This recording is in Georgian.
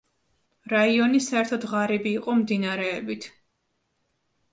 რაიონი, საერთოდ, ღარიბი იყო მდინარეებით.